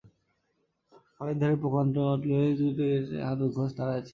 খালের ধারে প্রকান্ড বটগাছের গুড়িতে ঠেস দিয়া হারু ঘোষ দাড়াইয়া ছিল।